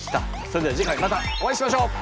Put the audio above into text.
それでは次回またお会いしましょう！